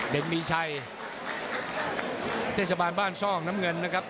มีชัยเทศบาลบ้านซ่องน้ำเงินนะครับ